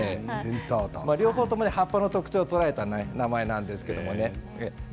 両方とも葉っぱの特徴を捉えた名前なんですけれどもね